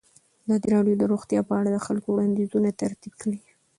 ازادي راډیو د روغتیا په اړه د خلکو وړاندیزونه ترتیب کړي.